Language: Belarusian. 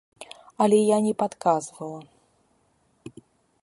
Але я не падказвала.